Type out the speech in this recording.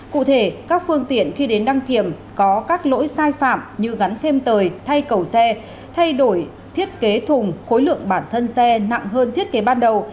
cụ thể các phương tiện khi đến đăng kiểm có các lỗi sai phạm như gắn thêm tời thay cầu xe thay đổi thiết kế thùng khối lượng bản thân xe nặng hơn thiết kế ban đầu